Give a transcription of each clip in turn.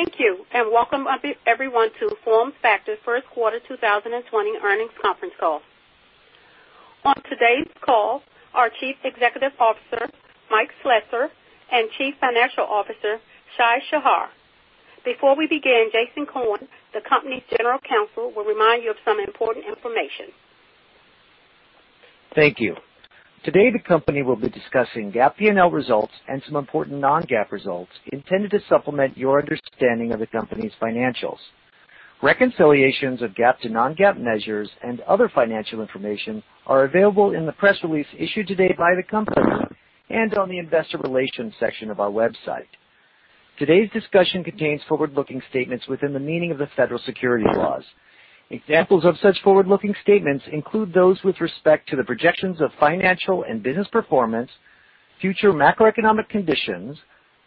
Thank you, welcome everyone to FormFactor's first quarter 2020 earnings conference call. On today's call are Chief Executive Officer, Mike Slessor, and Chief Financial Officer, Shai Shahar. Before we begin, Jason Cohen, the company's General Counsel, will remind you of some important information. Thank you. Today the company will be discussing GAAP P&L results and some important non-GAAP results intended to supplement your understanding of the company's financials. Reconciliations of GAAP to non-GAAP measures and other financial information are available in the press release issued today by the company and on the investor relations section of our website. Today's discussion contains forward-looking statements within the meaning of the federal securities laws. Examples of such forward-looking statements include those with respect to the projections of financial and business performance, future macroeconomic conditions,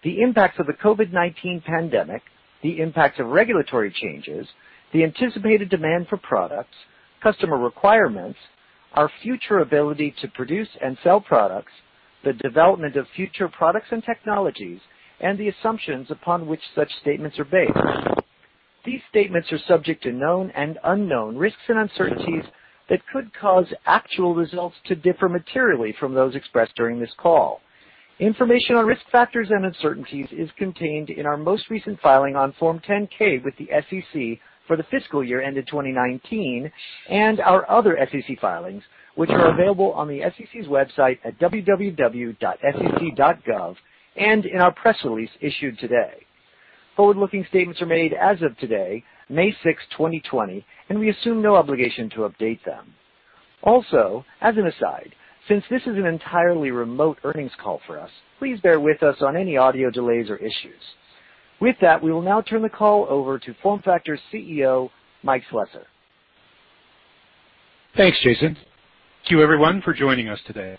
the impacts of the COVID-19 pandemic, the impacts of regulatory changes, the anticipated demand for products, customer requirements, our future ability to produce and sell products, the development of future products and technologies, and the assumptions upon which such statements are based. These statements are subject to known and unknown risks and uncertainties that could cause actual results to differ materially from those expressed during this call. Information on risk factors and uncertainties is contained in our most recent filing on Form 10-K with the SEC for the fiscal year ended 2019, and our other SEC filings, which are available on the SEC's website at www.sec.gov, and in our press release issued today. Forward-looking statements are made as of today, May 6, 2020, and we assume no obligation to update them. Also, as an aside, since this is an entirely remote earnings call for us, please bear with us on any audio delays or issues. With that, we will now turn the call over to FormFactor's CEO, Mike Slessor. Thanks, Jason. Thank you everyone for joining us today.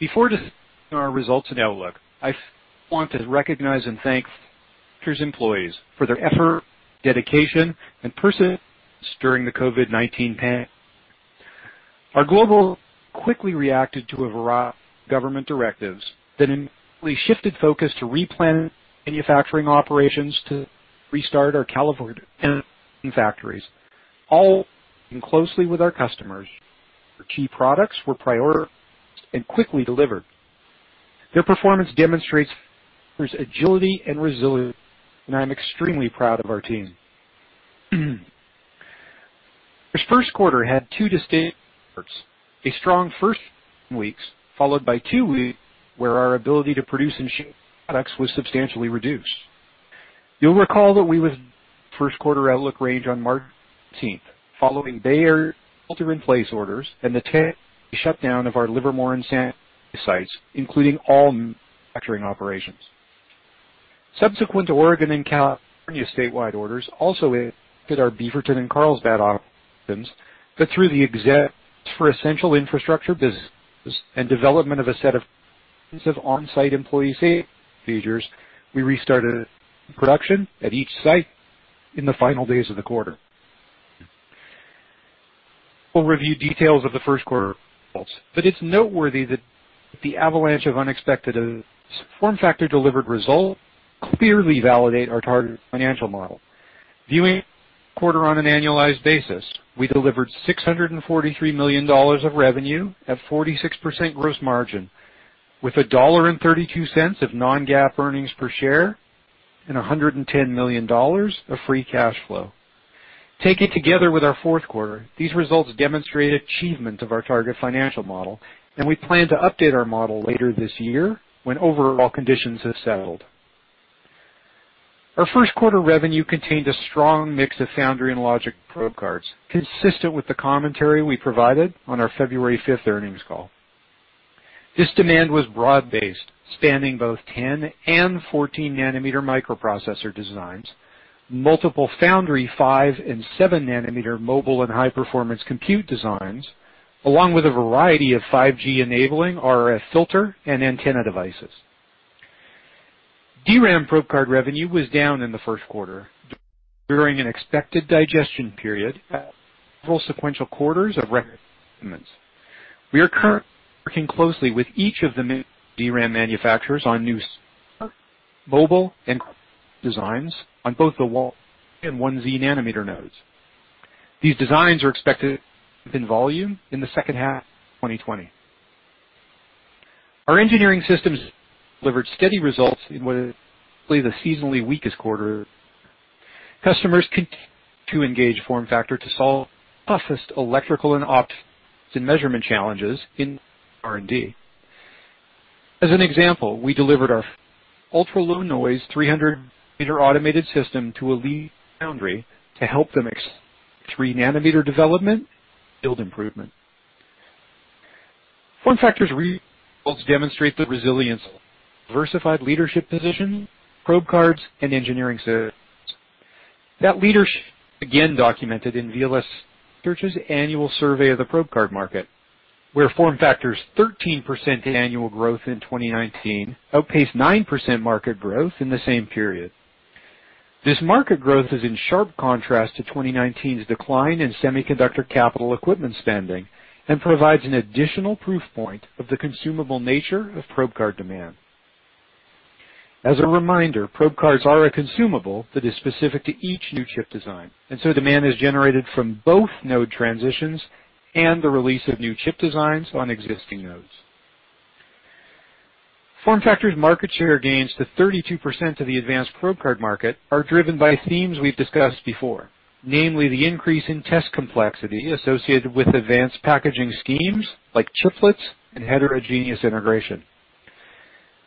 Before discussing our results and outlook, I want to recognize and thank FormFactor's employees for their effort, dedication, and persistence during the COVID-19 pandemic. Our global quickly reacted to a variety of government directives that immediately shifted focus to replan manufacturing operations to restart our California factories, all working closely with our customers, where key products were prioritized and quickly delivered. Their performance demonstrates FormFactor's agility and resilience, and I'm extremely proud of our team. FormFactor's first quarter had two distinct parts, a strong first seven weeks followed by two weeks where our ability to produce and ship products was substantially reduced. You'll recall that we widened our first quarter outlook range on March 17th following Bay Area shelter-in-place orders and the temporary shutdown of our Livermore and Santa Clara sites, including all manufacturing operations. Subsequent Oregon and California statewide orders also impacted our Beaverton and Carlsbad operations, but through the exemptions for essential infrastructure businesses and development of a set of extensive on-site employee safety procedures, we restarted production at each site in the final days of the quarter. I'll review details of the first quarter results, but it's noteworthy that despite the avalanche of unexpected events, FormFactor delivered results that clearly validate our targeted financial model. Viewing the quarter on an annualized basis, we delivered $643 million of revenue at 46% gross margin with a $1.32 of non-GAAP earnings per share and $110 million of free cash flow. Taken together with our fourth quarter, these results demonstrate achievement of our target financial model, and we plan to update our model later this year when overall conditions have settled. Our first quarter revenue contained a strong mix of foundry and logic probe cards, consistent with the commentary we provided on our February 5th earnings call. This demand was broad-based, spanning both 10 nm and 14 nm microprocessor designs, multiple foundry 5 nm and 7 nm mobile and high-performance compute designs, along with a variety of 5G-enabling RF filter and antenna devices. DRAM probe card revenue was down in the first quarter during an expected digestion period following several sequential quarters of record performance. We are currently working closely with each of the major DRAM manufacturers on new server, mobile, and graphics designs on both the [1X and 1Y] nanometer nodes. These designs are expected to ramp in volume in the second half of 2020. Our engineering systems delivered steady results in what is typically the seasonally weakest quarter. Customers continued to engage FormFactor to solve their toughest electrical and optics and measurement challenges in R&D. As an example, we delivered our first ultra-low noise 300 m automated system to a leading foundry to help them accelerate 3 nm development and yield improvement. FormFactor's results demonstrate the resilience of our diversified leadership position in probe cards and engineering services. That leadership was again documented in VLSI Research's annual survey of the probe card market, where FormFactor's 13% annual growth in 2019 outpaced 9% market growth in the same period. This market growth is in sharp contrast to 2019's decline in semiconductor capital equipment spending and provides an additional proof point of the consumable nature of probe card demand. As a reminder, probe cards are a consumable that is specific to each new chip design, and so demand is generated from both node transitions and the release of new chip designs on existing nodes. FormFactor's market share gains to 32% of the advanced probe card market are driven by themes we've discussed before, namely the increase in test complexity associated with advanced packaging schemes like chiplets and heterogeneous integration.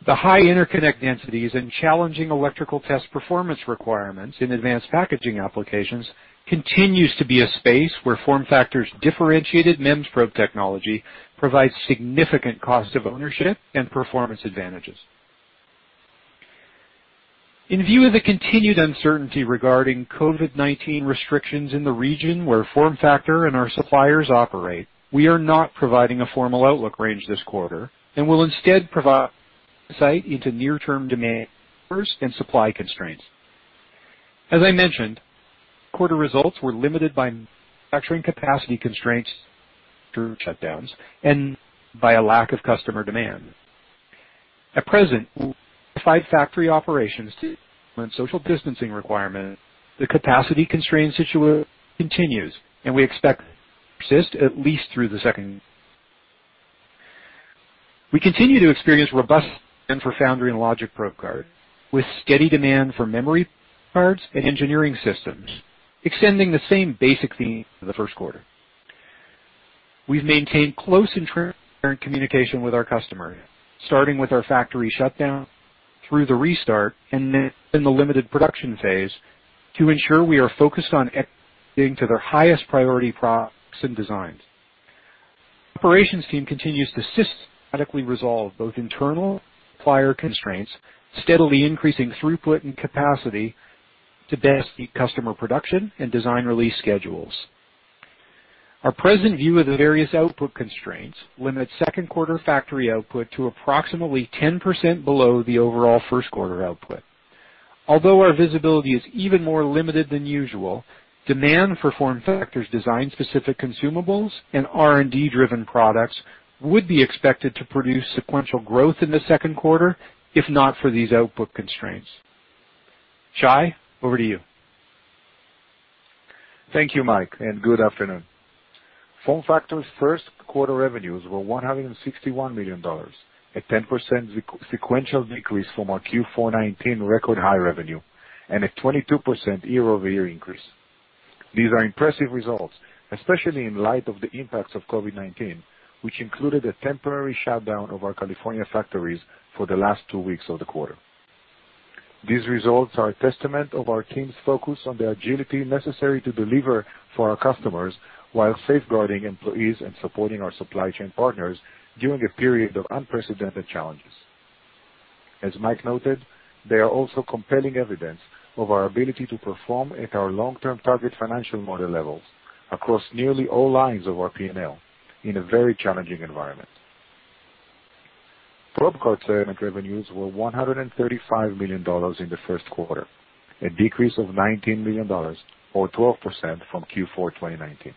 The high interconnect densities and challenging electrical test performance requirements in advanced packaging applications continues to be a space where FormFactor's differentiated MEMS probe technology provides significant cost of ownership and performance advantages. In view of the continued uncertainty regarding COVID-19 restrictions in the region where FormFactor and our suppliers operate, we are not providing a formal outlook range this quarter and will instead provide insight into near-term demand and supply constraints. As I mentioned, quarter results were limited by manufacturing capacity constraints through shutdowns and by a lack of customer demand. At present, factory operations, social distancing requirement, the capacity constraint situation continues, and we expect persist at least through the second. We continue to experience robust demand for foundry and logic probe card with steady demand for memory cards and engineering systems extending the same basic theme for the first quarter. We've maintained close and transparent communication with our customer, starting with our factory shutdown through the restart and then in the limited production phase to ensure we are focused on to their highest priority products and designs. Operations team continues to systematically resolve both internal supplier constraints, steadily increasing throughput and capacity to best meet customer production and design release schedules. Our present view of the various output constraints limits second quarter factory output to approximately 10% below the overall first quarter output. Although our visibility is even more limited than usual, demand for FormFactor's design-specific consumables and R&D-driven products would be expected to produce sequential growth in the second quarter, if not for these output constraints. Shai, over to you. Thank you, Mike, and good afternoon. FormFactor's first quarter revenues were $161 million, a 10% sequential decrease from our Q4 2019 record high revenue and a 22% year-over-year increase. These are impressive results, especially in light of the impacts of COVID-19, which included a temporary shutdown of our California factories for the last two weeks of the quarter. These results are a testament of our team's focus on the agility necessary to deliver for our customers while safeguarding employees and supporting our supply chain partners during a period of unprecedented challenges. As Mike noted, they are also compelling evidence of our ability to perform at our long-term target financial model levels across nearly all lines of our P&L in a very challenging environment. Probe card segment revenues were $135 million in the first quarter, a decrease of $19 million or 12% from Q4 2019.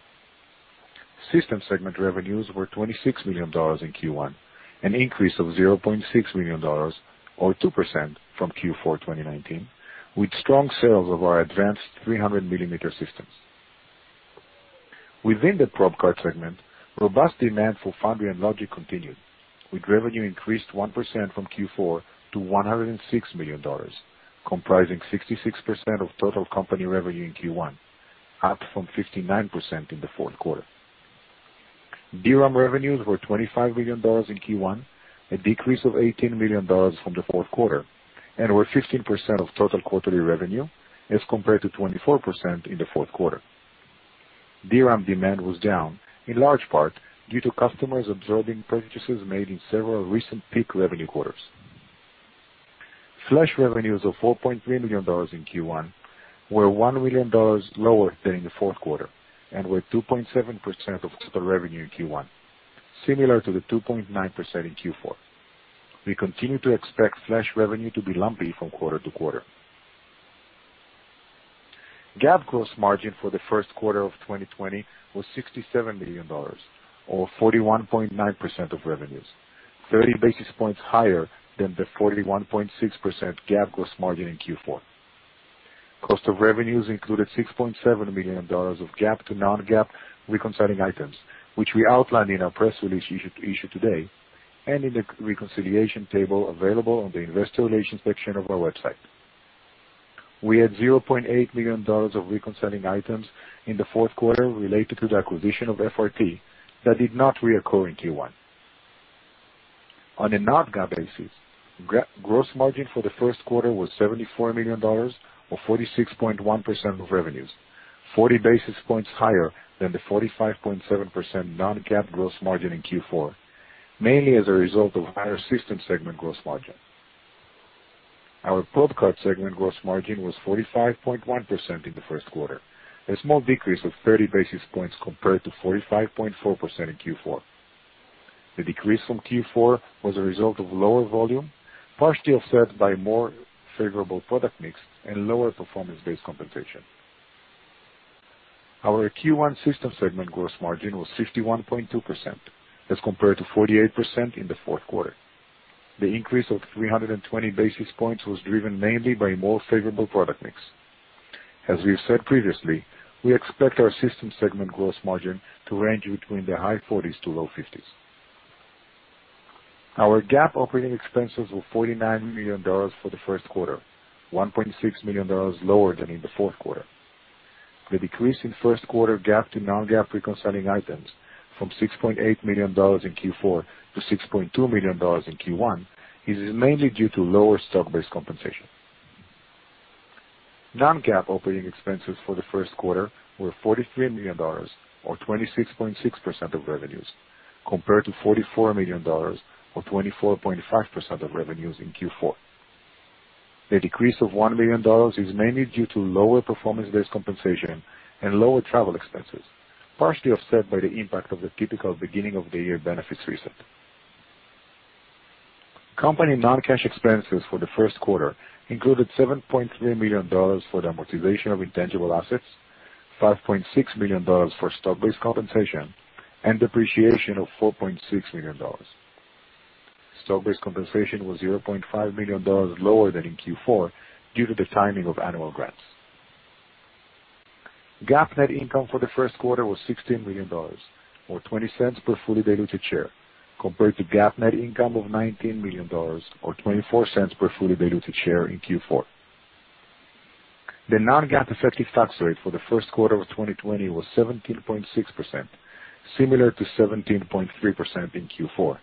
System segment revenues were $26 million in Q1, an increase of $0.6 million or 2% from Q4 2019, with strong sales of our advanced 300 mm systems. Within the probe card segment, robust demand for foundry and logic continued, with revenue increased 1% from Q4 to $106 million, comprising 66% of total company revenue in Q1, up from 59% in the fourth quarter. DRAM revenues were $25 million in Q1, a decrease of $18 million from the fourth quarter, and were 15% of total quarterly revenue as compared to 24% in the fourth quarter. DRAM demand was down in large part due to customers absorbing purchases made in several recent peak revenue quarters. Flash revenues of $4.3 million in Q1 were $1 million lower than in the fourth quarter and were 2.7% of total revenue in Q1, similar to the 2.9% in Q4. We continue to expect flash revenue to be lumpy from quarter-to-quarter. GAAP gross margin for the first quarter of 2020 was $67 million or 41.9% of revenues, 30 basis points higher than the 41.6% GAAP gross margin in Q4. Cost of revenues included $6.7 million of GAAP to non-GAAP reconciling items, which we outlined in our press release issued today and in the reconciliation table available on the investor relations section of our website. We had $0.8 million of reconciling items in the fourth quarter related to the acquisition of FRT that did not reoccur in Q1. On a non-GAAP basis, gross margin for the first quarter was $74 million or 46.1% of revenues, 40 basis points higher than the 45.7% non-GAAP gross margin in Q4, mainly as a result of higher system segment gross margin. Our probe card segment gross margin was 45.1% in the first quarter, a small decrease of 30 basis points compared to 45.4% in Q4. The decrease from Q4 was a result of lower volume, partially offset by more favorable product mix and lower performance-based compensation. Our Q1 system segment gross margin was 61.2% as compared to 48% in the fourth quarter. The increase of 320 basis points was driven mainly by more favorable product mix. As we've said previously, we expect our system segment gross margin to range between the high 40s to low 50s. Our GAAP operating expenses were $49 million for the first quarter, $1.6 million lower than in the fourth quarter. The decrease in first quarter GAAP to non-GAAP reconciling items from $6.8 million in Q4 to $6.2 million in Q1 is mainly due to lower stock-based compensation. Non-GAAP operating expenses for the first quarter were $43 million, or 26.6% of revenues, compared to $44 million or 24.5% of revenues in Q4. The decrease of $1 million is mainly due to lower performance-based compensation and lower travel expenses, partially offset by the impact of the typical beginning of the year benefits reset. Company non-cash expenses for the first quarter included $7.3 million for the amortization of intangible assets, $5.6 million for stock-based compensation, and depreciation of $4.6 million. Stock-based compensation was $0.5 million lower than in Q4 due to the timing of annual grants. GAAP net income for the first quarter was $16 million, or $0.20 per fully diluted share, compared to GAAP net income of $19 million or $0.24 per fully diluted share in Q4. The non-GAAP effective tax rate for the first quarter of 2020 was 17.6%, similar to 17.3% in Q4,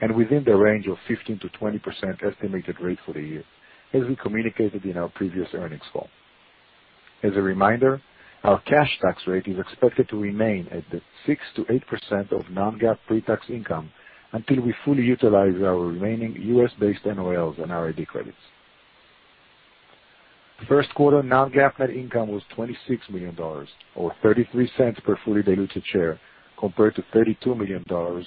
and within the range of 15%-20% estimated rate for the year, as we communicated in our previous earnings call. As a reminder, our cash tax rate is expected to remain at the 6%-8% of non-GAAP pre-tax income until we fully utilize our remaining U.S.-based NOLs and R&D credits. First quarter non-GAAP net income was $26 million, or $0.33 per fully diluted share, compared to $32 million or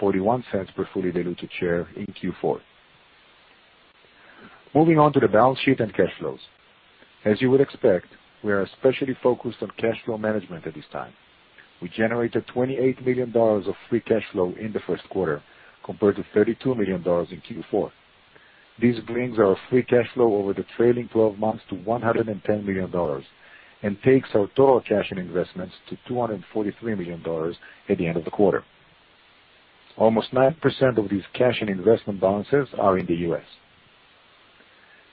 $0.41 per fully diluted share in Q4. Moving on to the balance sheet and cash flows. As you would expect, we are especially focused on cash flow management at this time. We generated $28 million of free cash flow in the first quarter, compared to $32 million in Q4. This brings our free cash flow over the trailing 12 months to $110 million and takes our total cash and investments to $243 million at the end of the quarter. Almost 9% of these cash and investment balances are in the U.S.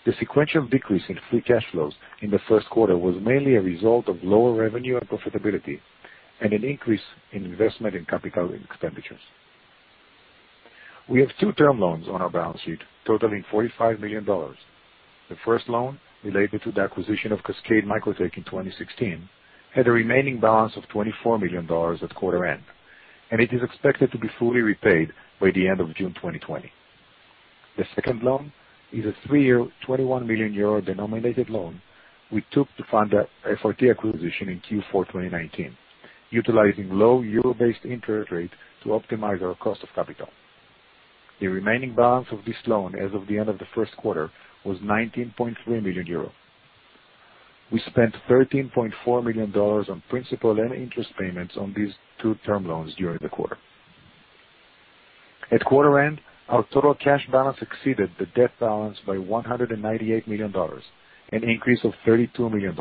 The sequential decrease in free cash flows in the first quarter was mainly a result of lower revenue and profitability, and an increase in investment in capital expenditure. We have two term loans on our balance sheet totaling $45 million. The first loan, related to the acquisition of Cascade Microtech in 2016, had a remaining balance of $24 million at quarter end, and it is expected to be fully repaid by the end of June 2020. The second loan is a three-year, 21 million euro-denominated loan we took to fund the FRT acquisition in Q4 2019, utilizing low euro-based interest rate to optimize our cost of capital. The remaining balance of this loan as of the end of the first quarter was 19.3 million euro. We spent $13.4 million on principal and interest payments on these two-term loans during the quarter. At quarter end, our total cash balance exceeded the debt balance by $198 million, an increase of $32 million.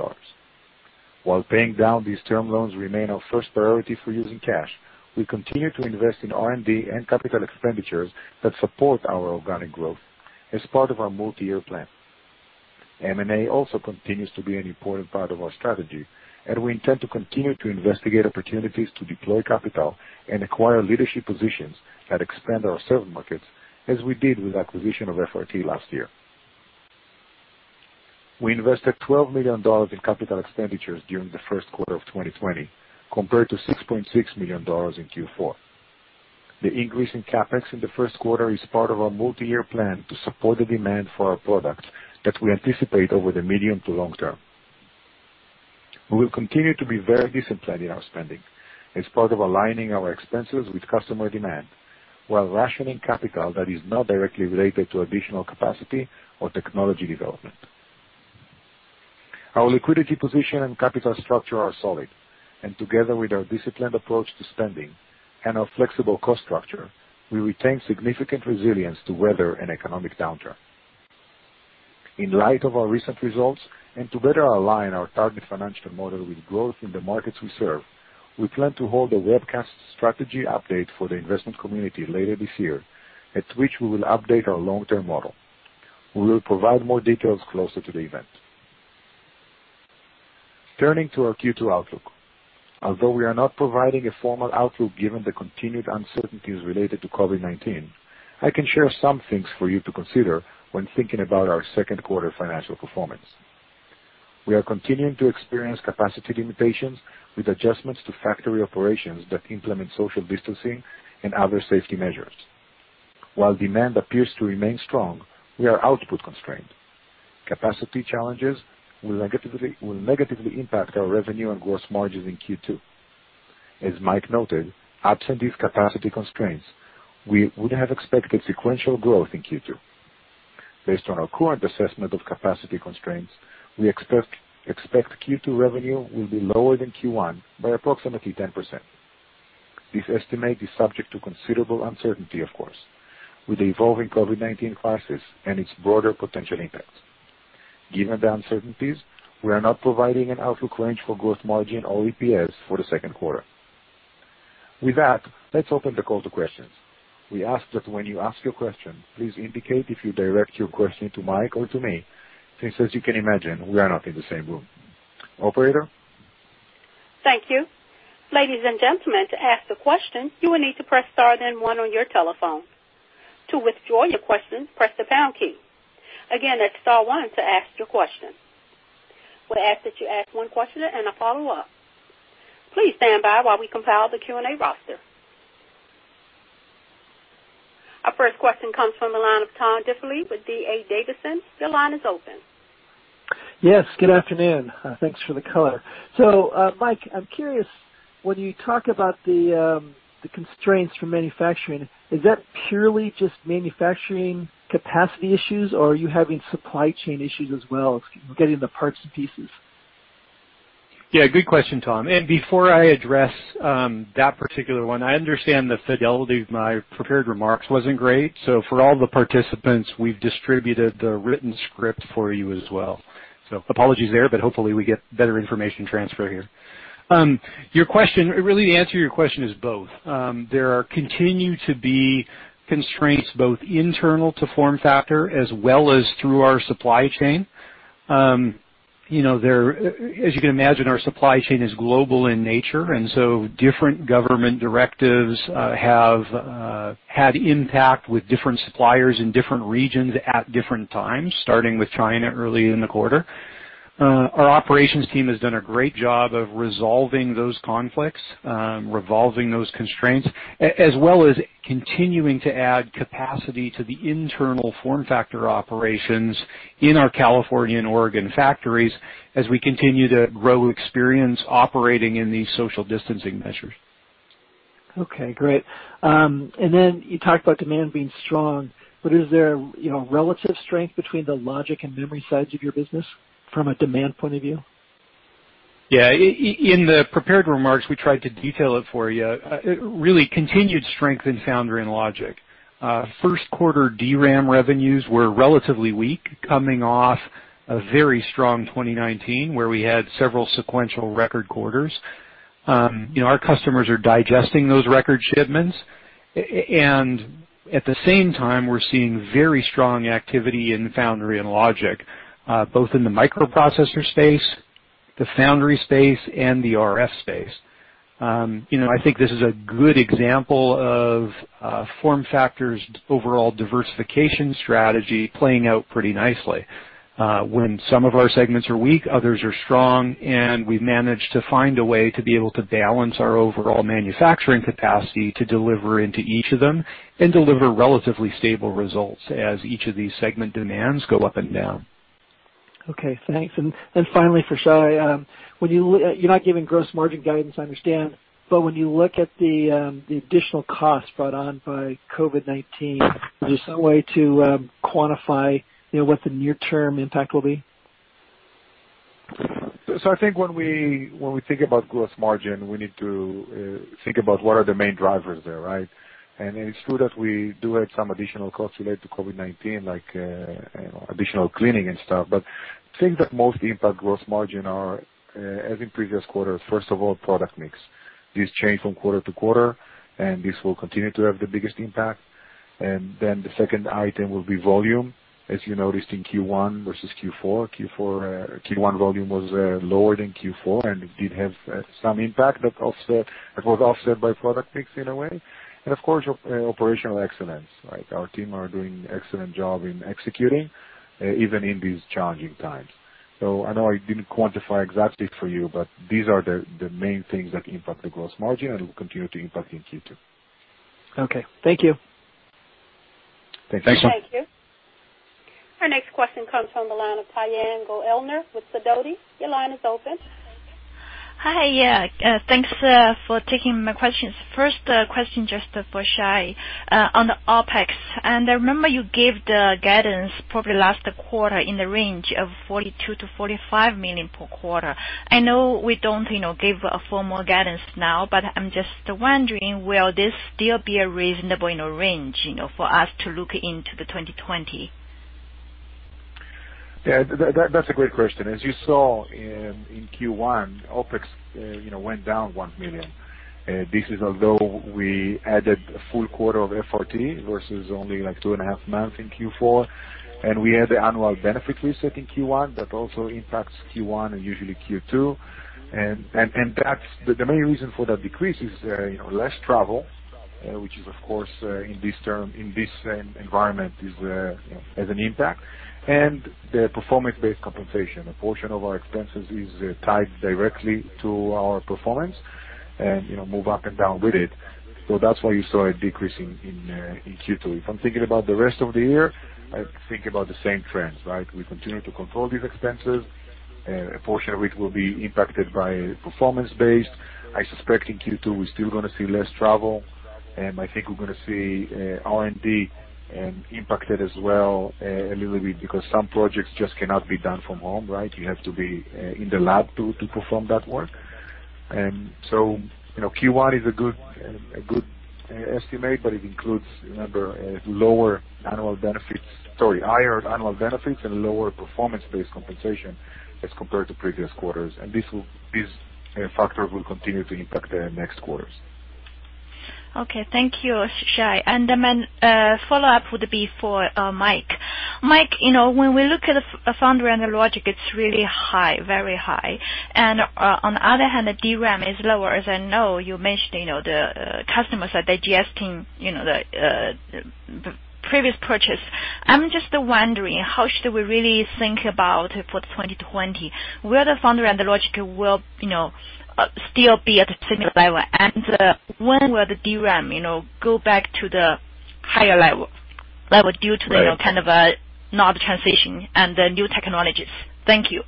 While paying down these term loans remain our first priority for using cash, we continue to invest in R&D and capital expenditures that support our organic growth as part of our multi-year plan. M&A also continues to be an important part of our strategy, and we intend to continue to investigate opportunities to deploy capital and acquire leadership positions that expand our served markets, as we did with acquisition of FRT last year. We invested $12 million in capital expenditures during the first quarter of 2020, compared to $6.6 million in Q4. The increase in CapEx in the first quarter is part of our multi-year plan to support the demand for our products that we anticipate over the medium to long term. We will continue to be very disciplined in our spending as part of aligning our expenses with customer demand, while rationing capital that is not directly related to additional capacity or technology development. Our liquidity position and capital structure are solid, and together with our disciplined approach to spending and our flexible cost structure, we retain significant resilience to weather an economic downturn. In light of our recent results and to better align our target financial model with growth in the markets we serve, we plan to hold a webcast strategy update for the investment community later this year, at which we will update our long-term model. We will provide more details closer to the event. Turning to our Q2 outlook. Although we are not providing a formal outlook given the continued uncertainties related to COVID-19, I can share some things for you to consider when thinking about our second quarter financial performance. We are continuing to experience capacity limitations with adjustments to factory operations that implement social distancing and other safety measures. While demand appears to remain strong, we are output constrained. Capacity challenges will negatively impact our revenue and gross margins in Q2. As Mike noted, absent these capacity constraints, we would have expected sequential growth in Q2. Based on our current assessment of capacity constraints, we expect Q2 revenue will be lower than Q1 by approximately 10%. This estimate is subject to considerable uncertainty, of course, with the evolving COVID-19 crisis and its broader potential impacts. Given the uncertainties, we are not providing an outlook range for gross margin or EPS for the second quarter. With that, let's open the call to questions. We ask that when you ask your question, please indicate if you direct your question to Mike or to me, since, as you can imagine, we are not in the same room. Operator? Thank you. Ladies and gentlemen, to ask a question, you will need to press star then one on your telephone. To withdraw your question, press the pound key. Again, that's star one to ask your question. We ask that you ask one question and a follow-up. Please stand by while we compile the Q&A roster. Our first question comes from the line of Tom Diffely with D.A. Davidson. Your line is open. Yes. Good afternoon. Thanks for the color. Mike, I'm curious, when you talk about the constraints for manufacturing, is that purely just manufacturing capacity issues, or are you having supply chain issues as well as getting the parts and pieces? Yeah, good question, Tom. Before I address that particular one, I understand the fidelity of my prepared remarks wasn't great. For all the participants, we've distributed the written script for you as well. Apologies there, but hopefully we get better information transfer here. Really, the answer to your question is both. There continue to be constraints both internal to FormFactor as well as through our supply chain. You can imagine, our supply chain is global in nature, and so different government directives have had impact with different suppliers in different regions at different times, starting with China early in the quarter. Our operations team has done a great job of resolving those conflicts, resolving those constraints, as well as continuing to add capacity to the internal FormFactor operations in our California and Oregon factories as we continue to grow experience operating in these social distancing measures. Okay, great. Then you talked about demand being strong, but is there relative strength between the logic and memory sides of your business from a demand point of view? Yeah. In the prepared remarks, we tried to detail it for you. Really continued strength in foundry and logic. First quarter DRAM revenues were relatively weak coming off a very strong 2019, where we had several sequential record quarters. Our customers are digesting those record shipments. At the same time, we're seeing very strong activity in foundry and logic, both in the microprocessor space, the foundry space, and the RF space. I think this is a good example of FormFactor's overall diversification strategy playing out pretty nicely. When some of our segments are weak, others are strong, and we've managed to find a way to be able to balance our overall manufacturing capacity to deliver into each of them and deliver relatively stable results as each of these segment demands go up and down. Okay, thanks. Finally for Shai, you're not giving gross margin guidance, I understand, when you look at the additional costs brought on by COVID-19, is there some way to quantify what the near-term impact will be? I think when we think about gross margin, we need to think about what are the main drivers there, right? It's true that we do have some additional costs related to COVID-19, like additional cleaning and stuff. Things that most impact gross margin are, as in previous quarters, first of all, product mix. These change from quarter-to-quarter, and this will continue to have the biggest impact. The second item will be volume. As you noticed in Q1 versus Q4. Q1 volume was lower than Q4 and did have some impact that was offset by product mix in a way. Of course, operational excellence. Our team are doing an excellent job in executing, even in these challenging times. I know I didn't quantify exactly for you, but these are the main things that impact the gross margin and will continue to impact in Q2. Okay. Thank you. Thanks. Thanks. Thank you. Our next question comes from the line of Tianyan Goellner with Sidoti. Your line is open. Hi. Yeah. Thanks for taking my questions. First question, just for Shai, on the OpEx. I remember you gave the guidance probably last quarter in the range of $42 million-$45 million per quarter. I know we don't give a formal guidance now, but I'm just wondering, will this still be a reasonable range for us to look into the 2020? Yeah. That's a great question. As you saw in Q1, OpEx went down $1 million. This is although we added a full quarter of FRT versus only 2.5 months in Q4. We had the annual benefit reset in Q1. That also impacts Q1 and usually Q2. The main reason for that decrease is less travel, which is, of course, in this environment has an impact, and the performance-based compensation. A portion of our expenses is tied directly to our performance and move up and down with it. That's why you saw a decrease in Q2. If I'm thinking about the rest of the year, I think about the same trends, right? We continue to control these expenses. A portion of it will be impacted by performance based. I suspect in Q2, we're still going to see less travel, and I think we're going to see R&D impacted as well a little bit because some projects just cannot be done from home. You have to be in the lab to perform that work. Q1 is a good estimate, but it includes, remember, higher annual benefits and lower performance-based compensation as compared to previous quarters. These factors will continue to impact the next quarters. Okay. Thank you, Shai. Follow up would be for Mike. Mike, when we look at foundry and the logic, it's really high, very high. On the other hand, the DRAM is lower. As I know you mentioned, the customers are digesting the previous purchase. I'm just wondering how should we really think about for 2020, will the foundry and the logic will still be at a similar level? When will the DRAM go back to the higher level due to the kind of node transition and the new technologies? Thank you.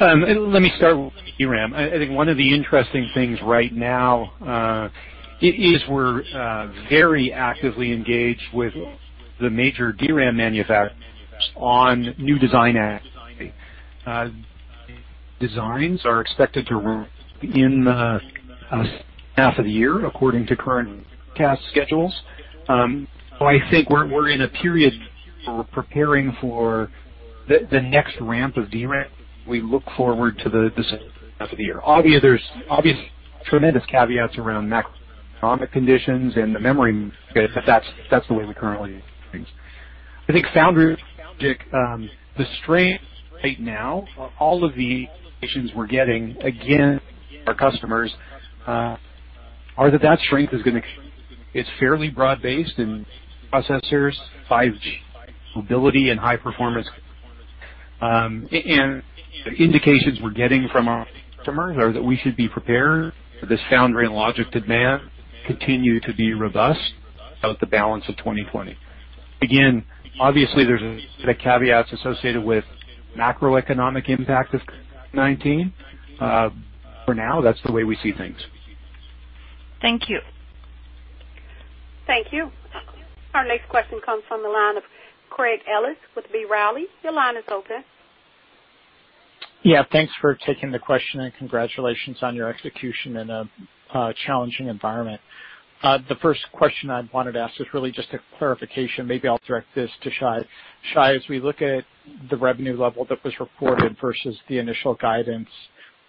Let me start with DRAM. I think one of the interesting things right now is we're very actively engaged with the major DRAM manufacturers on new design activity. Designs are expected to in the second half of the year, according to current CapEx schedules. I think we're in a period for preparing for the next ramp of DRAM. We look forward to the second half of the year. Obviously, there's obvious tremendous caveats around macroeconomic conditions and the memory, that's the way we currently think. I think foundry logic, the strength right now of all of the indications we're getting, again, our customers, are that that strength is fairly broad-based in processors, 5G mobility, and high performance. The indications we're getting from our customers are that we should be prepared for this foundry and logic demand continue to be robust throughout the balance of 2020. Obviously, there's caveats associated with macroeconomic impact of COVID-19. For now, that's the way we see things. Thank you. Thank you. Our next question comes from the line of Craig Ellis with B. Riley. Your line is open. Yeah. Thanks for taking the question and congratulations on your execution in a challenging environment. The first question I wanted to ask was really just a clarification. Maybe I'll direct this to Shai. Shai, as we look at the revenue level that was reported versus the initial guidance,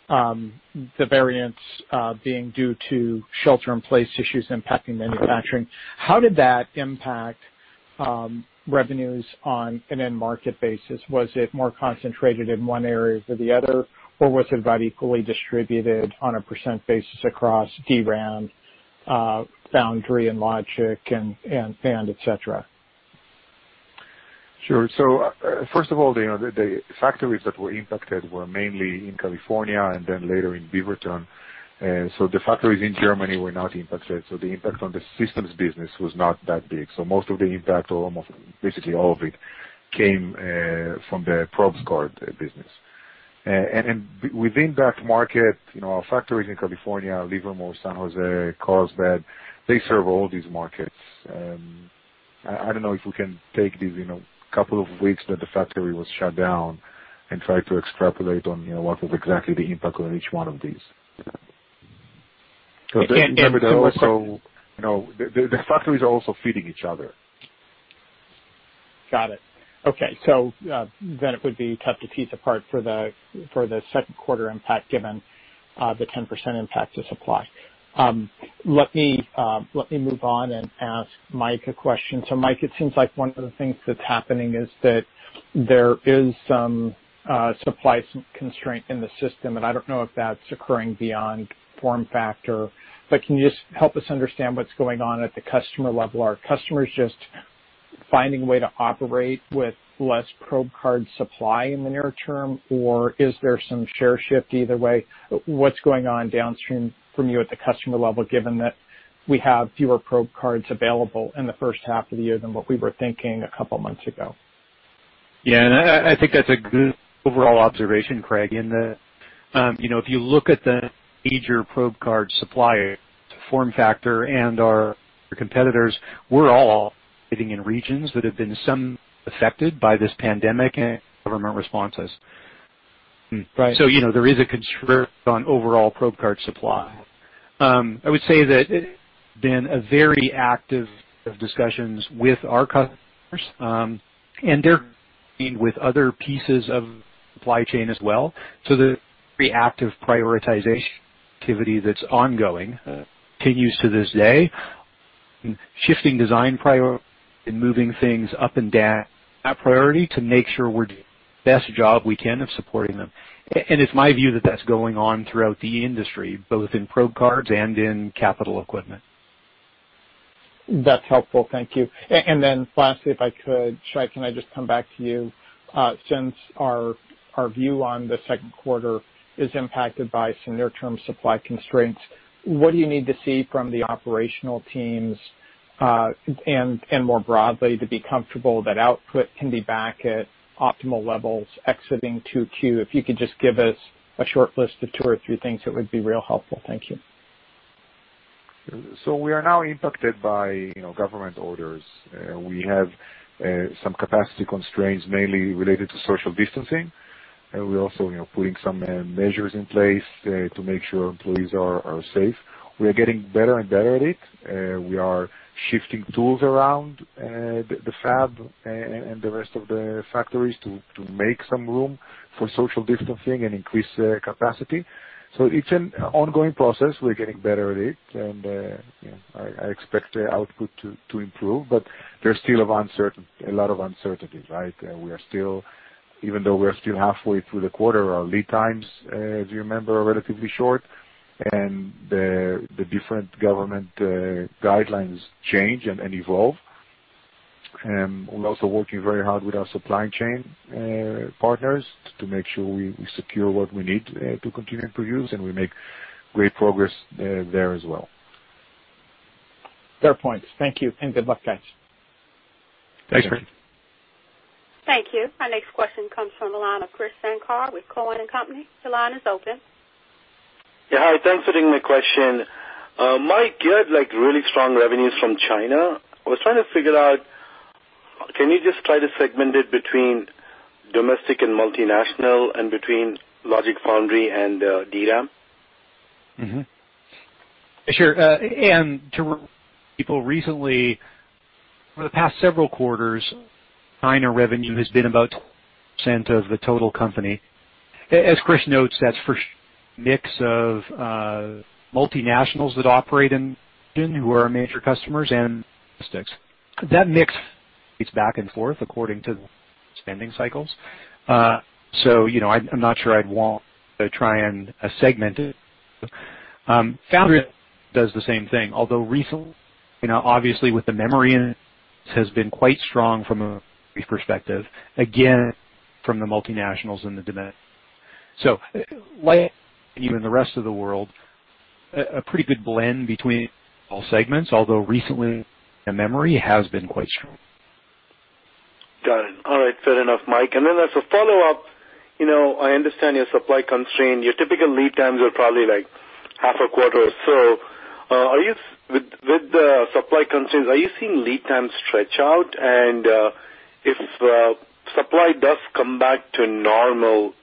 the variance being due to shelter in place issues impacting manufacturing, how did that impact revenues on an end market basis? Was it more concentrated in one area or the other, or was it about equally distributed on a percentage basis across DRAM, foundry and logic and NAND, et cetera? Sure. First of all, the factories that were impacted were mainly in California and then later in Beaverton. The factories in Germany were not impacted, so the impact on the systems business was not that big. Most of the impact, or almost basically all of it, came from the probe card business. Within that market, our factories in California, Livermore, San Jose, Carlsbad, they serve all these markets. I don't know if we can take these couple of weeks that the factory was shut down and try to extrapolate on what was exactly the impact on each one of these. One more question. The factories are also feeding each other. Got it. Okay. It would be tough to tease apart for the second quarter impact, given the 10% impact to supply. Let me move on and ask Mike a question. Mike, it seems like one of the things that is happening is that there is some supply constraint in the system, and I do not know if that is occurring beyond FormFactor, but can you just help us understand what is going on at the customer level? Are customers just finding a way to operate with less probe card supply in the near term, or is there some share shift either way? What is going on downstream from you at the customer level, given that we have fewer probe cards available in the first half of the year than what we were thinking a couple of months ago? Yeah, I think that's a good overall observation, Craig, in that if you look at the major probe card suppliers, FormFactor and our competitors, we're all operating in regions that have been some affected by this pandemic and government responses. Right. There is a constraint on overall probe card supply. I would say that there's been a very active set of discussions with our customers, and they're meeting with other pieces of supply chain as well. There's very active prioritization activity that's ongoing, continues to this day, shifting design priority and moving things up and down that priority to make sure we're doing the best job we can of supporting them. It's my view that that's going on throughout the industry, both in probe cards and in capital equipment. That's helpful. Thank you. Then lastly, if I could, Shai, can I just come back to you? Since our view on the second quarter is impacted by some near-term supply constraints, what do you need to see from the operational teams, and more broadly, to be comfortable that output can be back at optimal levels exiting 2Q? If you could just give us a short list of two or three things, it would be real helpful. Thank you. We are now impacted by government orders. We have some capacity constraints, mainly related to social distancing, and we're also putting some measures in place to make sure our employees are safe. We are getting better and better at it. We are shifting tools around the fab and the rest of the factories to make some room for social distancing and increase capacity. It's an ongoing process. We're getting better at it, and I expect the output to improve. There's still a lot of uncertainty, right? Even though we're still halfway through the quarter, our lead times, as you remember, are relatively short, and the different government guidelines change and evolve. We're also working very hard with our supply chain partners to make sure we secure what we need to continue to produce, and we make great progress there as well. Fair point. Thank you, and good luck, guys. Thanks. Yeah. Thank you. Our next question comes from the line of Krish Sankar with Cowen and Company. Your line is open. Yeah. Hi. Thanks for taking my question. Mike, you had really strong revenues from China. I was trying to figure out, can you just try to segment it between domestic and multinational and between Logic Foundry and DRAM? Sure. To people recently, for the past several quarters, China revenue has been about 10% of the total company. As Krish notes, that's for mix of multinationals that operate in who are our major customers and logistics. That mix goes back and forth according to spending cycles. I'm not sure I'd want to try and segment it. Foundry does the same thing, although recently, obviously with the memory in it, has been quite strong from a perspective, again, from the multinationals and the domestic. Like even the rest of the world, a pretty good blend between all segments, although recently, the memory has been quite strong. Got it. All right, fair enough, Mike. As a follow-up, I understand your supply constraint, your typical lead times are probably half a quarter or so. With the supply constraints, are you seeing lead times stretch out? If supply does come back to normal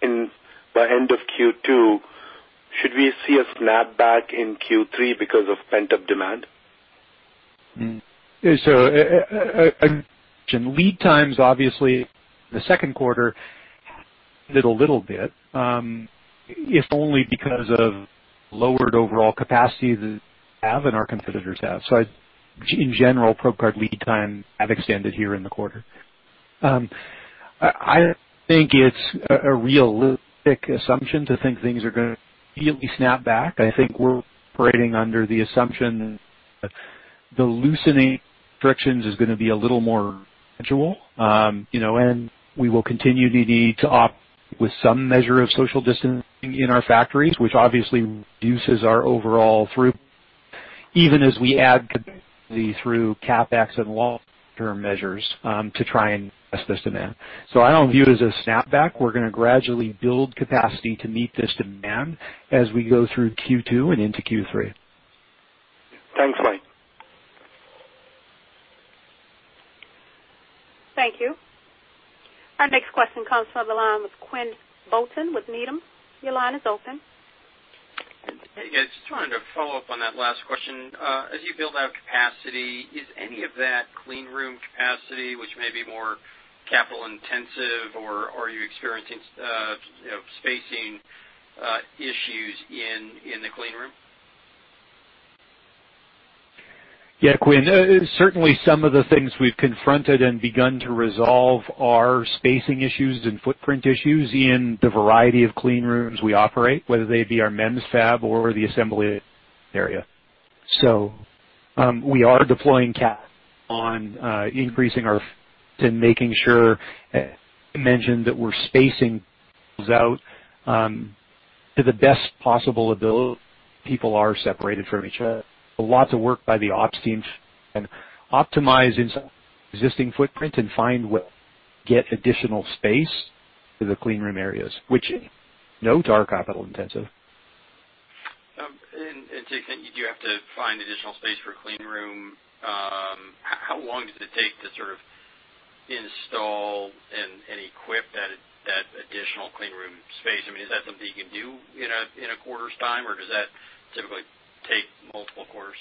by end of Q2, should we see a snapback in Q3 because of pent-up demand? Lead times, obviously, the second quarter did a little bit if only because of lowered overall capacity that we have and our competitors have. In general, probe card lead time have extended here in the quarter. I think it's a realistic assumption to think things are going to immediately snap back. I think we're operating under the assumption that the loosening restrictions is going to be a little more gradual. We will continue to operate with some measure of social distancing in our factories, which obviously reduces our overall throughput, even as we add capacity through CapEx and long-term measures to try and test this demand. I don't view it as a snapback. We're going to gradually build capacity to meet this demand as we go through Q2 and into Q3. Thanks, Mike. Thank you. Our next question comes from the line with Quinn Bolton with Needham. Your line is open. Hey, guys. Just wanted to follow up on that last question. As you build out capacity, is any of that clean room capacity, which may be more capital intensive, or are you experiencing spacing issues in the clean room? Yeah, Quinn. Certainly, some of the things we've confronted and begun to resolve are spacing issues and footprint issues in the variety of clean rooms we operate, whether they be our MEMS fab or the assembly area. We are deploying CapEx on increasing our and making sure, I mentioned that we're spacing those out to the best possible ability. People are separated from each other. A lot of work by the ops teams and optimizing some existing footprint and find where get additional space for the clean room areas, which though not capital intensive. To extend, you do have to find additional space for cleanroom. How long does it take to sort of install and equip that additional cleanroom space? I mean, is that something you can do in a quarter's time, or does that typically take multiple quarters?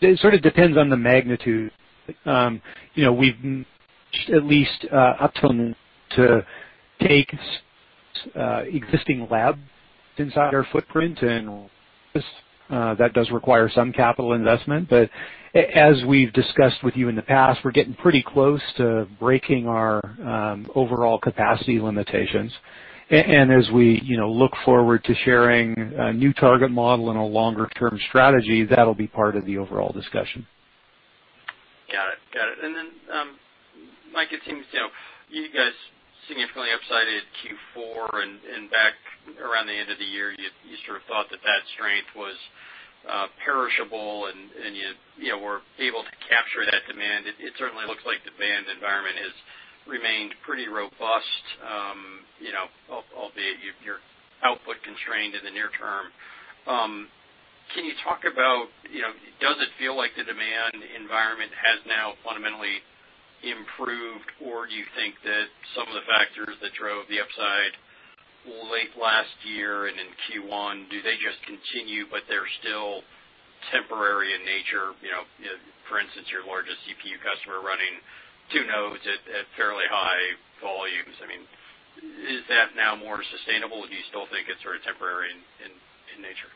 It sort of depends on the magnitude. We've managed at least up till to take existing lab inside our footprint, and that does require some capital investment. As we've discussed with you in the past, we're getting pretty close to breaking our overall capacity limitations. As we look forward to sharing a new target model and a longer-term strategy, that'll be part of the overall discussion. Got it. Mike, it seems you guys significantly upsided Q4, and back around the end of the year, you sort of thought that strength was perishable, and you were able to capture that demand. It certainly looks like demand environment has remained pretty robust, albeit you're output-constrained in the near term. Can you talk about, does it feel like the demand environment has now fundamentally improved, or do you think that some of the factors that drove the upside late last year and in Q1, do they just continue, but they're still temporary in nature? For instance, your largest CPU customer running two nodes at fairly high volumes. Is that now more sustainable, or do you still think it's sort of temporary in nature?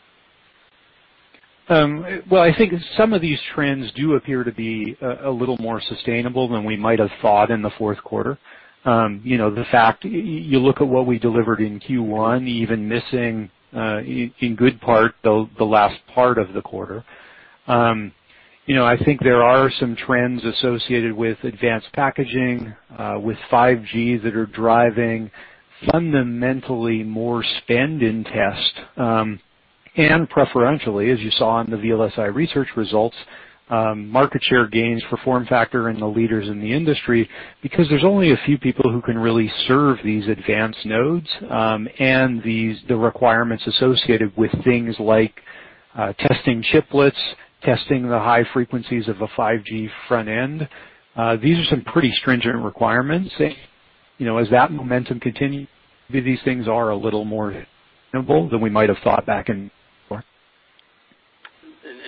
Well, I think some of these trends do appear to be a little more sustainable than we might have thought in the fourth quarter. You look at what we delivered in Q1, even missing, in good part, the last part of the quarter. I think there are some trends associated with advanced packaging, with 5G, that are driving fundamentally more spend in test. Preferentially, as you saw in the VLSI Research results, market share gains for FormFactor and the leaders in the industry, because there's only a few people who can really serve these advanced nodes, and the requirements associated with things like testing chiplets, testing the high frequencies of a 5G front end. These are some pretty stringent requirements. As that momentum continue, these things are a little more sustainable than we might have thought back in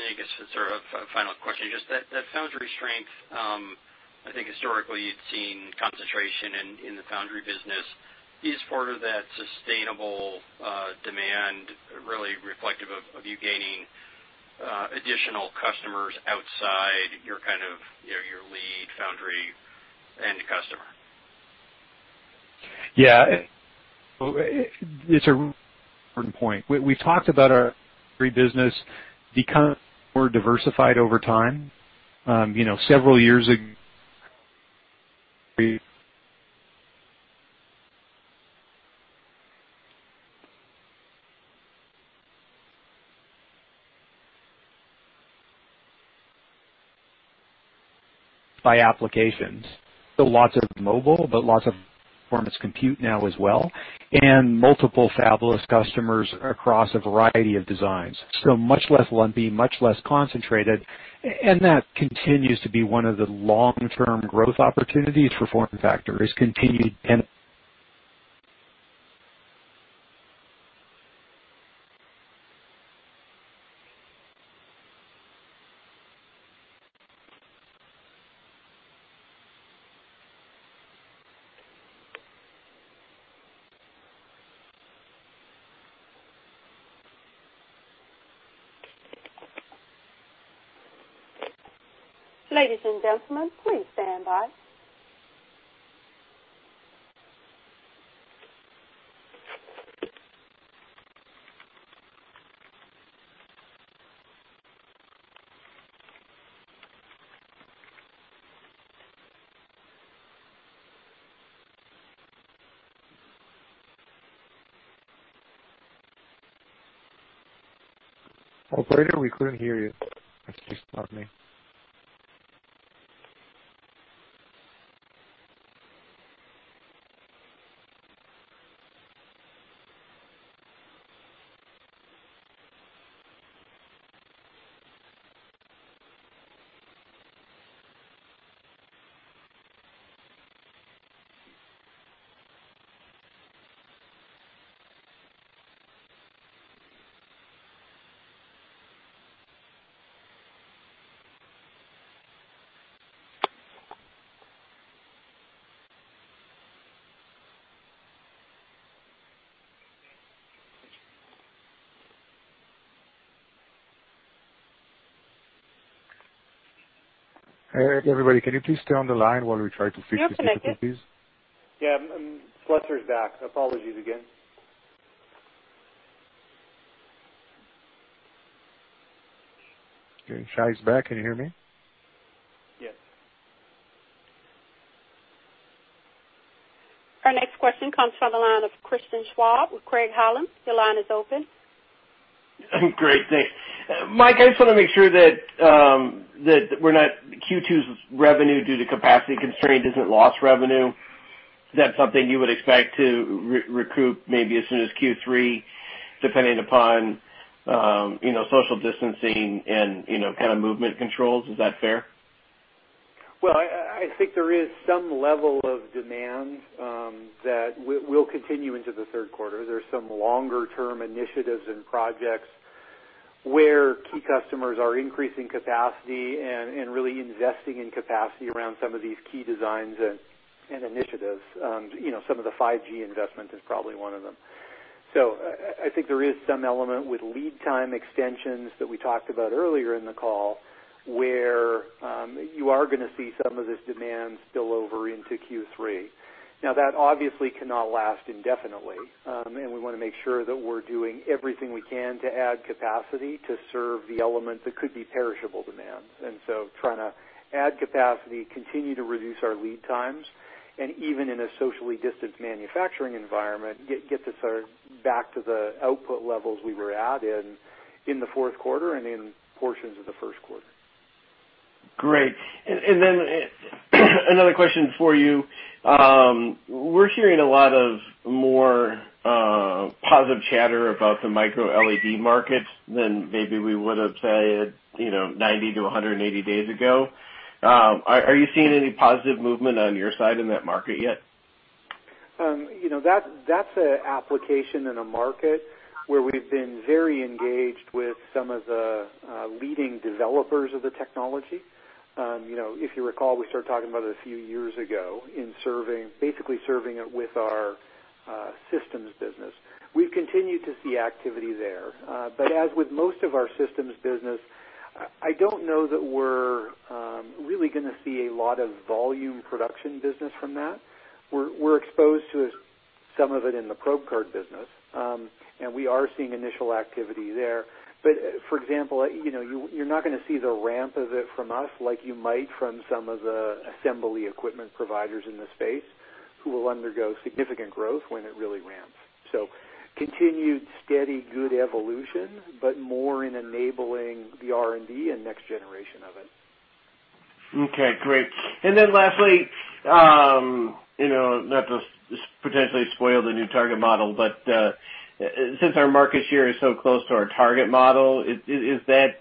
Q4. I guess sort of a final question, just that foundry strength, I think historically you'd seen concentration in the foundry business. Is part of that sustainable demand really reflective of you gaining additional customers outside your lead foundry end customer? Yeah. It's an important point. We've talked about our foundry business becoming more diversified over time. Lots of mobile, but lots of performance compute now as well, and multiple fabless customers across a variety of designs. Much less lumpy, much less concentrated, and that continues to be one of the long-term growth opportunities for FormFactor. Ladies and gentlemen, please stand by. Operator, we couldn't hear you. Excuse me. Hey everybody, can you please stay on the line while we try to fix this issue, please? Yeah. Fletcher is back. Apologies again. Okay. Shai's back. Can you hear me? Yes. Our next question comes from the line of Christian Schwab with Craig-Hallum. Your line is open. Great, thanks. Mike, I just want to make sure that Q2's revenue due to capacity constraint isn't lost revenue. Is that something you would expect to recoup maybe as soon as Q3, depending upon social distancing and kind of movement controls? Is that fair? Well, I think there is some level of demand that will continue into the third quarter. There's some longer-term initiatives and projects where key customers are increasing capacity and really investing in capacity around some of these key designs and initiatives. Some of the 5G investment is probably one of them. I think there is some element with lead time extensions that we talked about earlier in the call, where you are going to see some of this demand spill over into Q3. Now, that obviously cannot last indefinitely. We want to make sure that we're doing everything we can to add capacity to serve the element that could be perishable demand. Trying to add capacity, continue to reduce our lead times, and even in a socially distanced manufacturing environment, get this back to the output levels we were at in the fourth quarter and in portions of the first quarter. Great. Another question for you. We're hearing a lot of more positive chatter about the micro LED market than maybe we would've, say, 90-180 days ago. Are you seeing any positive movement on your side in that market yet? That's an application in a market where we've been very engaged with some of the leading developers of the technology. If you recall, we started talking about it a few years ago in basically serving it with our systems business. We've continued to see activity there. As with most of our systems business, I don't know that we're really going to see a lot of volume production business from that. We're exposed to some of it in the probe card business, and we are seeing initial activity there. For example, you're not going to see the ramp of it from us, like you might from some of the assembly equipment providers in the space, who will undergo significant growth when it really ramps. Continued steady good evolution, but more in enabling the R&D and next generation of it. Okay, great. Lastly, not to potentially spoil the new target model, but since our market share is so close to our target model, were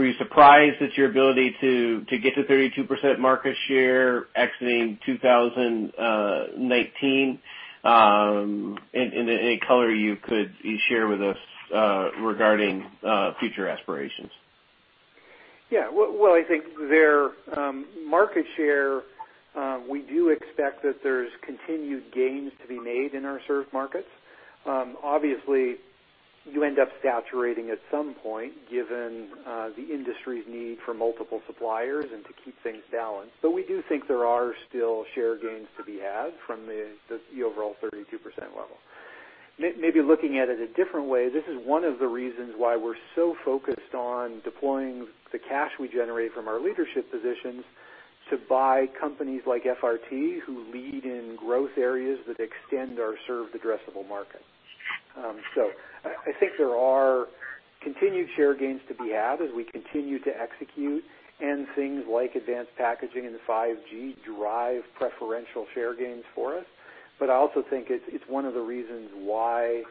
you surprised at your ability to get to 32% market share exiting 2019? Any color you could share with us regarding future aspirations. Yeah. Well, I think their market share, we do expect that there's continued gains to be made in our served markets. Obviously, you end up saturating at some point, given the industry's need for multiple suppliers and to keep things balanced. We do think there are still share gains to be had from the overall 32% level. Maybe looking at it a different way, this is one of the reasons why we're so focused on deploying the cash we generate from our leadership positions to buy companies like FRT, who lead in growth areas that extend our served addressable market. I think there are continued share gains to be had as we continue to execute, and things like advanced packaging and 5G drive preferential share gains for us. I also think it's one of the reasons why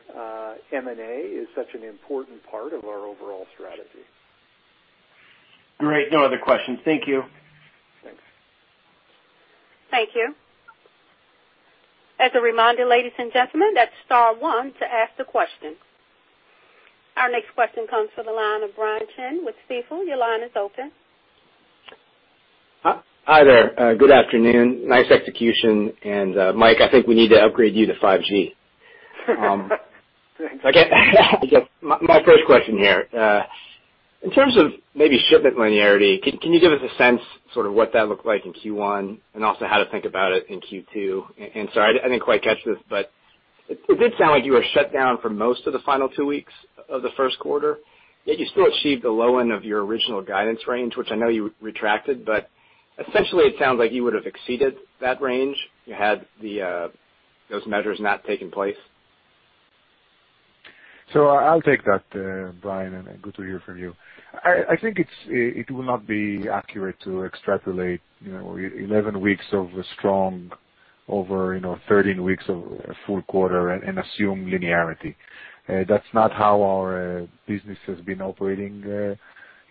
M&A is such an important part of our overall strategy. Great. No other questions. Thank you. Thanks. Thank you. As a reminder, ladies and gentlemen, that is star one to ask the question. Our next question comes from the line of Brian Chin with Stifel. Your line is open. Hi there. Good afternoon. Nice execution. Mike, I think we need to upgrade you to 5G. Thanks. My first question here. In terms of maybe shipment linearity, can you give us a sense, sort of what that looked like in Q1, and also how to think about it in Q2? Sorry, I didn't quite catch this, but it did sound like you were shut down for most of the final two weeks of the first quarter, yet you still achieved the low end of your original guidance range, which I know you retracted, but essentially, it sounds like you would have exceeded that range had those measures not taken place. I'll take that, Brian, and good to hear from you. I think it will not be accurate to extrapolate 11 weeks of strong over 13 weeks of a full quarter and assume linearity. That's not how our business has been operating. There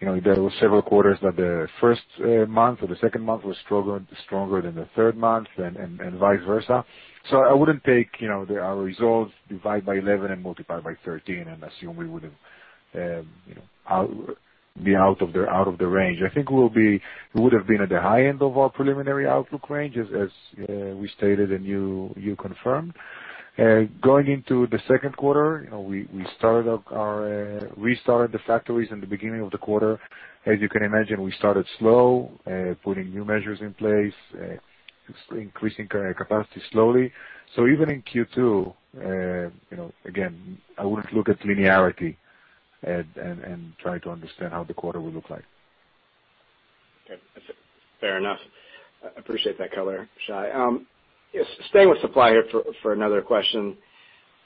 were several quarters that the first month or the second month was stronger than the third month, and vice versa. I wouldn't take our results, divide by 11 and multiply by 13, and assume we would be out of the range. I think we would've been at the high end of our preliminary outlook range, as we stated, and you confirmed. Going into the second quarter, we restarted the factories in the beginning of the quarter. As you can imagine, we started slow, putting new measures in place, increasing capacity slowly. Even in Q2, again, I wouldn't look at linearity and try to understand how the quarter will look like. Okay. Fair enough. I appreciate that color, Shai. Staying with supply here for another question.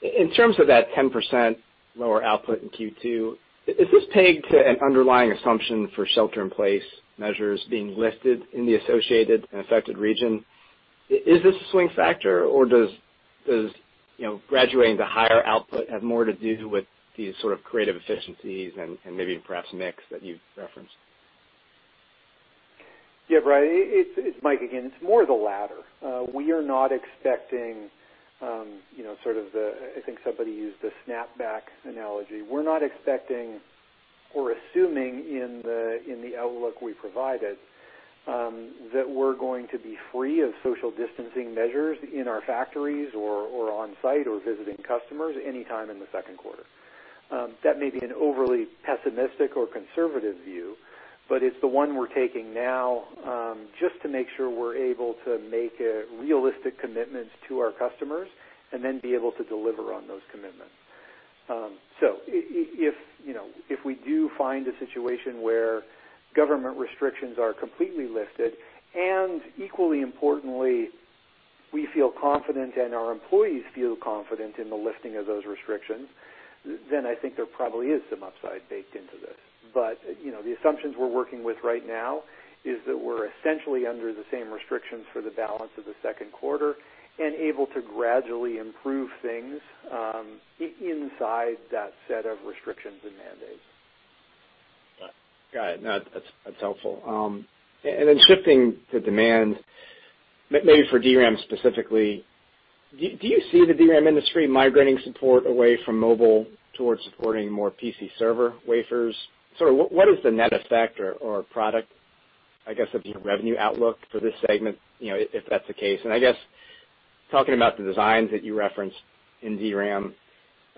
In terms of that 10% lower output in Q2, is this pegged to an underlying assumption for shelter-in-place measures being lifted in the associated and affected region? Is this a swing factor, or does graduating to higher output have more to do with these sorts of creative efficiencies and maybe perhaps mix that you've referenced? Yeah, Brian. It's Mike again. It's more of the latter. We are not expecting sort of the, I think somebody used the snapback analogy. We're assuming in the outlook we provided, that we're going to be free of social distancing measures in our factories or on-site or visiting customers anytime in the second quarter. That may be an overly pessimistic or conservative view, but it's the one we're taking now, just to make sure we're able to make realistic commitments to our customers and then be able to deliver on those commitments. If we do find a situation where government restrictions are completely lifted, and equally importantly, we feel confident and our employees feel confident in the lifting of those restrictions, then I think there probably is some upside baked into this. The assumptions we're working with right now is that we're essentially under the same restrictions for the balance of the second quarter and able to gradually improve things inside that set of restrictions and mandates. Got it. No, that's helpful. Shifting to demand, maybe for DRAM specifically, do you see the DRAM industry migrating support away from mobile towards supporting more PC server wafers? Sort of, what is the net effect or product, I guess, of your revenue outlook for this segment if that's the case? I guess talking about the designs that you referenced in DRAM,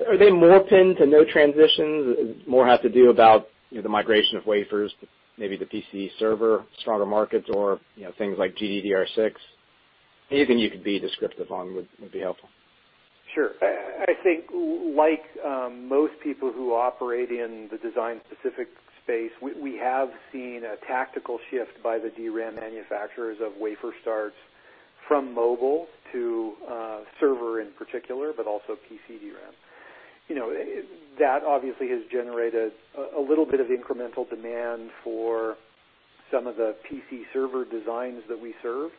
are they more pinned to no transitions, more has to do about the migration of wafers, maybe the PC server, stronger markets, or things like GDDR6? Anything you could be descriptive on would be helpful. Sure. I think like most people who operate in the design-specific space, we have seen a tactical shift by the DRAM manufacturers of wafer starts from mobile to server in particular, but also PC DRAM. That obviously has generated a little bit of incremental demand for some of the PC server designs that we serve,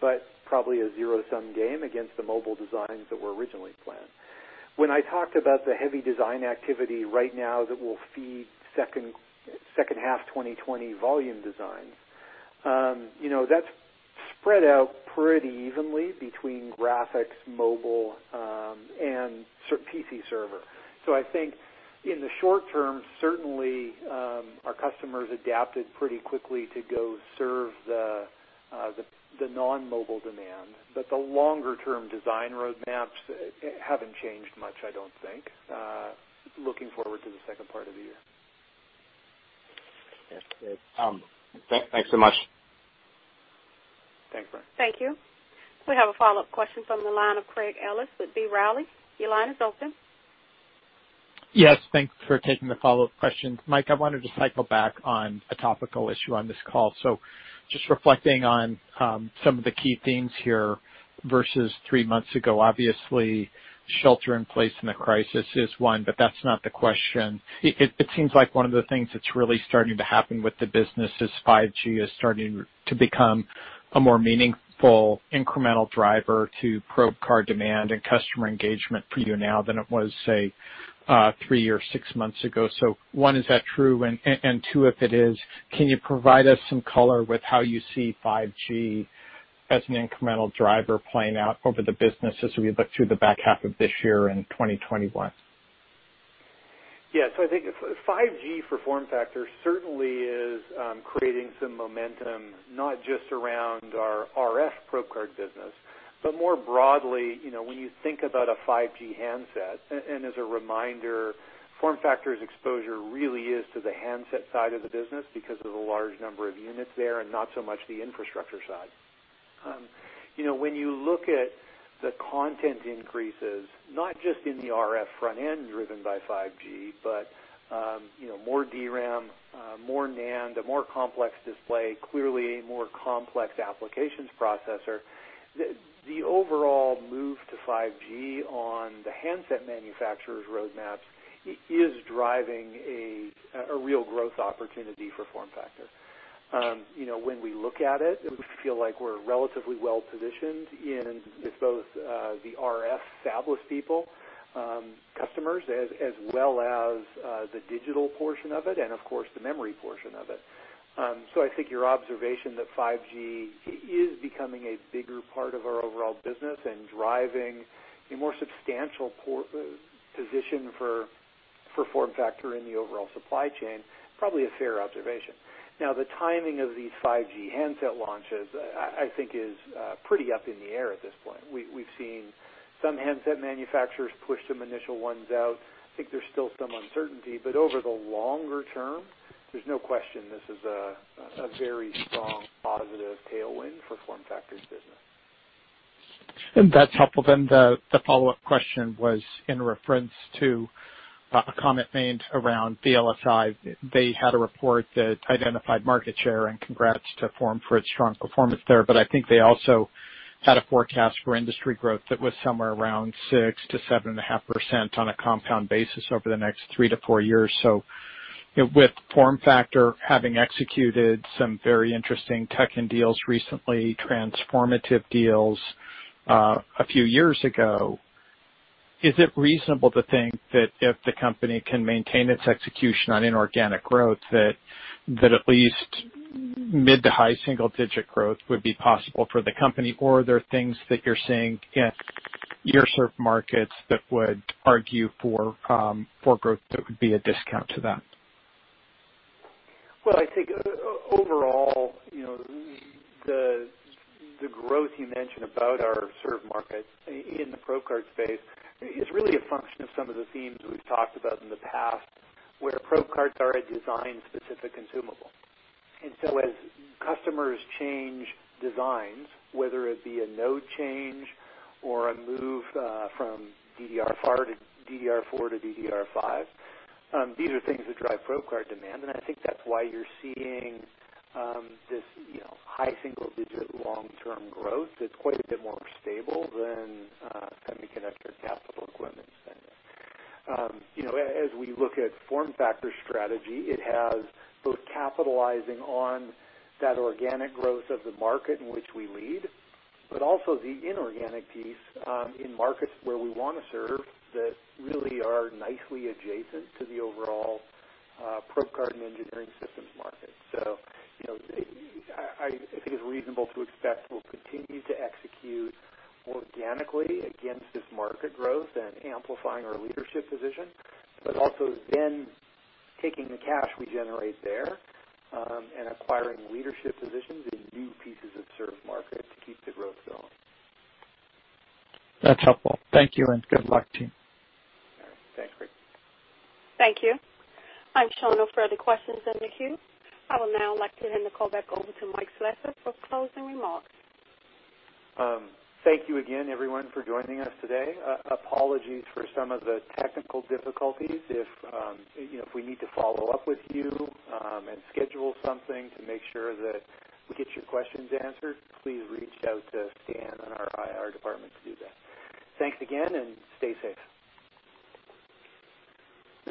but probably a zero-sum game against the mobile designs that were originally planned. When I talked about the heavy design activity right now that will feed second half 2020 volume designs, that's spread out pretty evenly between graphics, mobile, and PC server. I think in the short term, certainly, our customers adapted pretty quickly to go serve the non-mobile demand. The longer-term design roadmaps haven't changed much, I don't think, looking forward to the second part of the year. Thanks so much. Thanks, Brian. Thank you. We have a follow-up question from the line of Craig Ellis with B. Riley. Your line is open. Yes, thanks for taking the follow-up questions. Mike, I wanted to cycle back on a topical issue on this call. Just reflecting on some of the key themes here versus three months ago, obviously shelter in place in a crisis is one, but that's not the question. It seems like one of the things that's really starting to happen with the business is 5G is starting to become a more meaningful incremental driver to probe card demand and customer engagement for you now than it was, say, three or six months ago. One, is that true? Two, if it is, can you provide us some color with how you see 5G as an incremental driver playing out over the business as we look to the back half of this year and 2021? Yeah. I think 5G for FormFactor certainly is creating some momentum, not just around our RF probe card business, but more broadly, when you think about a 5G handset, and as a reminder, FormFactor's exposure really is to the handset side of the business because of the large number of units there and not so much the infrastructure side. When you look at the content increases, not just in the RF front end driven by 5G, but more DRAM, more NAND, a more complex display, clearly a more complex applications processor, the overall move to 5G on the handset manufacturer's roadmaps is driving a real growth opportunity for FormFactor. When we look at it, we feel like we're relatively well-positioned in both the RF fabless people, customers, as well as the digital portion of it, and of course, the memory portion of it. I think your observation that 5G is becoming a bigger part of our overall business and driving a more substantial position for FormFactor in the overall supply chain, probably a fair observation. The timing of these 5G handset launches, I think is pretty up in the air at this point. We've seen some handset manufacturers push some initial ones out. I think there's still some uncertainty, but over the longer term, there's no question this is a very strong positive tailwind for FormFactor's business. That's helpful. The follow-up question was in reference to a comment made around VLSI. They had a report that identified market share, and congrats to Form for its strong performance there, but I think they also had a forecast for industry growth that was somewhere around 6%-7.5% on a compound basis over the next three to four years. With FormFactor having executed some very interesting tech M&A deals recently, transformative deals a few years ago, is it reasonable to think that if the company can maintain its execution on inorganic growth, that at least mid to high single-digit growth would be possible for the company. Are there things that you're seeing in your served markets that would argue for growth that would be a discount to that? Well, I think overall, the growth you mentioned about our served markets in the probe card space is really a function of some of the themes we've talked about in the past, where probe cards are a design-specific consumable. As customers change designs, whether it be a node change or a move from DDR4 to DDR5, these are things that drive probe card demand. I think that's why you're seeing this high single-digit long-term growth that's quite a bit more stable than semiconductor capital equipment spending. As we look at FormFactor's strategy, it has both capitalizing on that organic growth of the market in which we lead, but also the inorganic piece in markets where we want to serve that really are nicely adjacent to the overall probe card and engineering systems market. I think it's reasonable to expect we'll continue to execute organically against this market growth and amplifying our leadership position, but also then taking the cash we generate there and acquiring leadership positions in new pieces of served market to keep the growth going. That's helpful. Thank you, and good luck to you. All right. Thanks, Craig. Thank you. I'm showing no further questions in the queue. I would now like to hand the call back over to Mike Slessor for closing remarks. Thank you again, everyone, for joining us today. Apologies for some of the technical difficulties. If we need to follow up with you and schedule something to make sure that we get your questions answered, please reach out to Stan and our IR department to do that. Thanks again and stay safe.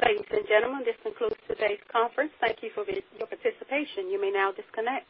Ladies and gentlemen, this concludes today's conference. Thank you for your participation. You may now disconnect.